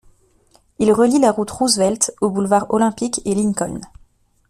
Il relie la route Roosevelt aux boulevards Olympic et Lincoln.